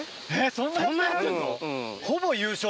そんなやってんの？